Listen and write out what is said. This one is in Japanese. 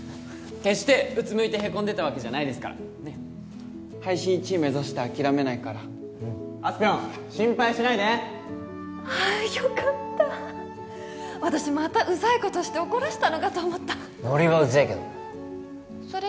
決してうつむいてヘコんでたわけじゃないですから配信１位目指して諦めないからあすぴょん心配しないでああよかった私またウザいことして怒らしたのかと思ったノリはうぜえけどなそれ